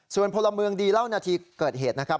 ส่วนพลเมืองดีเล่านาทีเกิดเหตุนะครับ